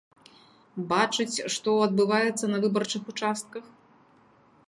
Бачыць, што адбываецца на выбарчых участках?